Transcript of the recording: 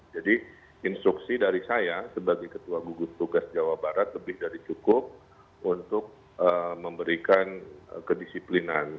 jadi instruksi dari saya sebagai ketua gugus tugas jawa barat lebih dari cukup untuk memberikan kedisiplinan